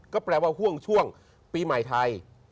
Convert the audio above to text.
ก็แปลว่าห่วงช่วงปีใหม่ไทย